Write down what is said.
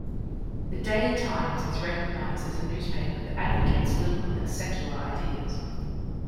The "Daily Times" is recognized as a newspaper that advocates liberal and secular ideas.